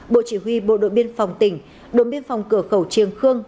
bộ chỉ huy bộ đội biên phòng tỉnh đội biên phòng cửa khẩu triêng khương